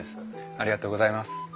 ありがとうございます。